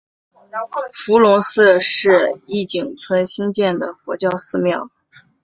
伏龙寺是义井村兴建的佛教寺院。